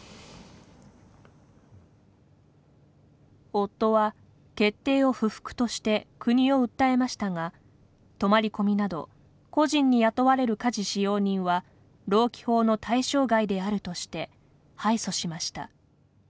夫は決定を不服として国を訴えましたが泊まり込みなど個人に雇われる家事使用人は労基法の対象外であるとして敗訴しました。